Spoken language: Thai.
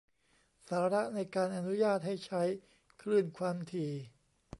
สาระในการอนุญาตให้ใช้คลื่นความถี่